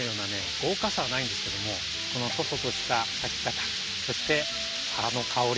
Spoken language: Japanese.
豪華さはないんですけどもこの楚々とした咲き方そして花の香り。